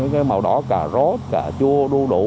cái màu đỏ cà rốt cà chua đu đủ